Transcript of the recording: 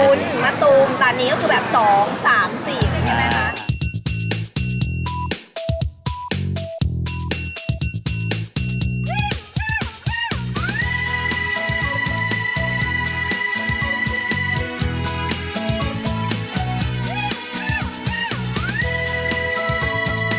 มะตูมตานีก็คือแบบ๒๓๔ใช่ไหมคะ